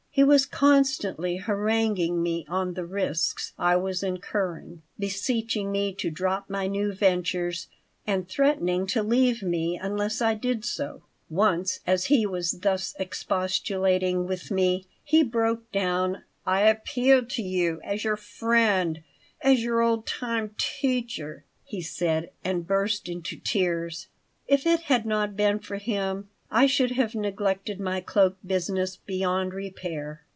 He was constantly haranguing me on the risks I was incurring, beseeching me to drop my new ventures, and threatening to leave me unless I did so. Once, as he was thus expostulating with me, he broke down "I appeal to you as your friend, as your old time teacher," he said, and burst into tears If it had not been for him I should have neglected my cloak business beyond repair.